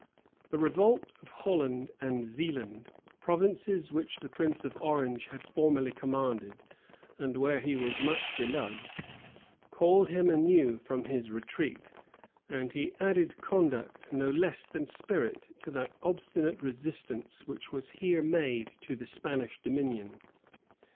The revolt of Holland and Zealand, provinces which the prince of Orange had formerly commanded, and where he was much beloved, called him anew from his retreat; and he added conduct, no less than spirit, to that obstinate resistance which was here made to the Spanish dominion.